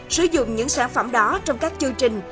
sử dụng những sản phẩm đó trong các chương trình